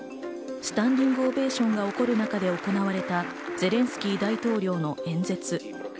スタンディングオベーションが起こる中で行われたゼレンスキー大統領の演説。